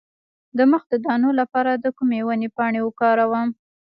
د مخ د دانو لپاره د کومې ونې پاڼې وکاروم؟